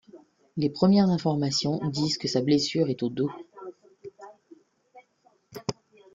Les premières informations disent que sa blessure est au dos.